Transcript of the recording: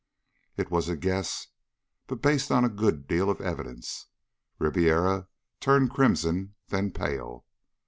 It was a guess, but based on a good deal of evidence. Ribiera turned crimson, then pale.